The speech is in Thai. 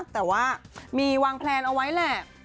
แต่ว่ามีวางแพลนเอาไว้แหละ